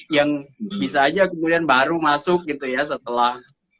yang bisa aja kemudian baru masuk gitu ya setelah